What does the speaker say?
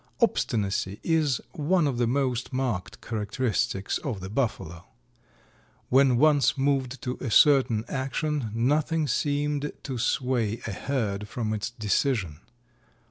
Obstinacy is one of the most marked characteristics of the Buffalo. When once moved to a certain action nothing seemed to sway a herd from its decision.